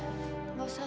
pergi ke tempat ini